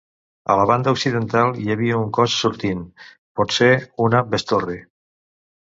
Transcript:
A la banda occidental hi havia un cos sortint, potser una bestorre.